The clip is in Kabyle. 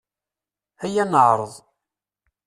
Aya ad neɛreḍ!